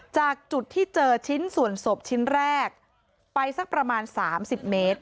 จากจุดที่เจอชิ้นส่วนศพชิ้นแรกไปสักประมาณ๓๐เมตร